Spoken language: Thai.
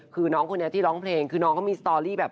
คือน้องคนนี้ที่ร้องเพลงคือน้องเขามีสตอรี่แบบ